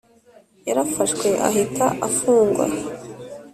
Yarafashwe ahita afungwa